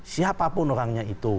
siapapun orangnya itu